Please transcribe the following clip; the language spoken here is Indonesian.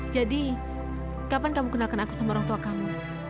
jadi kapan kamu kenalkan aku sama orang tua kamu